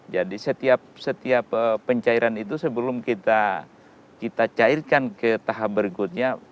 jadi setiap pencairan itu sebelum kita cairkan ke tahap berikutnya